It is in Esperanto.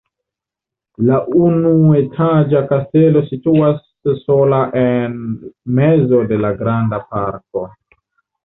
La unuetaĝa kastelo situas sola en mezo de granda parko.